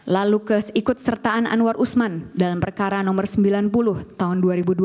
lalu keikut sertaan anwar usman dalam perkara nomor sembilan puluh tahun dua ribu dua puluh